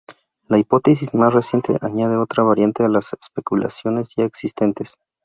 La hipótesis más reciente añade otra variante a las especulaciones ya existentes.